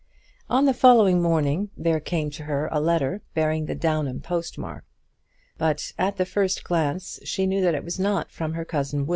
On the following morning there came to her a letter bearing the Downham post mark, but at the first glance she knew that it was not from her cousin Will.